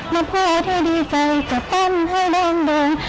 มันเพราะที่ดีใจก็ต้องให้ลองโดย